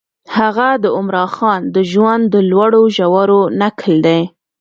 هغه د عمرا خان د ژوند د لوړو ژورو نکل دی.